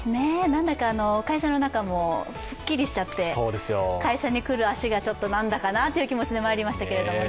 なんだか、会社の中もすっきりしちゃって会社に来る足が、なんだかなという気持ちでまいりましたけれども。